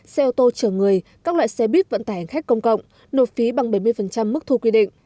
xe ô tô chở người các loại xe bít vận tải hành khách công cộng nộp phí bằng bảy mươi mức thu quy định